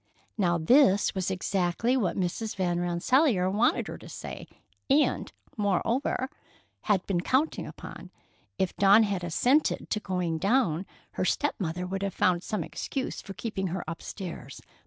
Now, this was exactly what Mrs. Van Rensselaer wanted her to say, and, moreover, had been counting upon. If Dawn had assented to going down, her step mother would have found some excuse for keeping her upstairs.